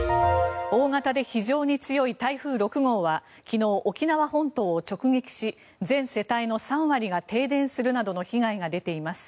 大型で非常に強い台風６号は昨日、沖縄本島を直撃し全世帯の３割が停電するなどの被害が出ています。